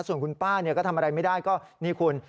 ส่วนคุณป้าก็ทำอะไรไม่ได้ก็นี่คุณ